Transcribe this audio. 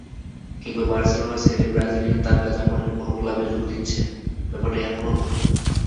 কিংবা বার্সেলোনা ছেড়ে ব্রাজিলিয়ান তারকা জাপানের কোনো ক্লাবে যোগ দিচ্ছেন—ব্যাপারটা এমনও নয়।